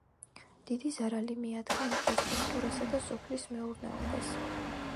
დიდი ზარალი მიადგა ინფრასტრუქტურასა და სოფლის მეურნეობას.